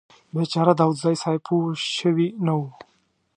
بیچاره داوودزی صیب پوه شوي نه و.